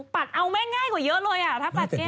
ปัดเอาแม่ง่ายกว่าเยอะเลยอ่ะถ้าปัดแก้